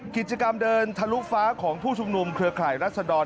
กิจกรรมเดินทะลุฟ้าของผู้ชุมนุมเครือข่ายรัศดร